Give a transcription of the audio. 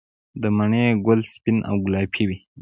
د مڼې ګل سپین او ګلابي وي؟